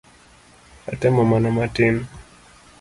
Atemo mana matin.